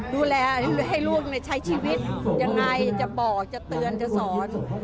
ดูแลให้ลูกใช้ชีวิตยังไงจะบอกจะเตือนจะสอน